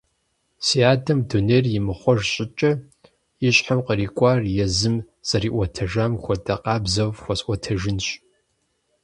Си адэм, дунейр имыхъуэж щӏыкӏэ, и щхьэм кърикӀуар езым зэриӀуэтэжам хуэдэ къабзэу фхуэсӀуэтэжынщ.